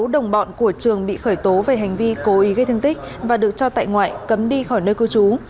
sáu đồng bọn của trường bị khởi tố về hành vi cố ý gây thương tích và được cho tại ngoại cấm đi khỏi nơi cư trú